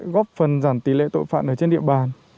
góp phần giảm tỷ lệ tội phạm ở trên địa bàn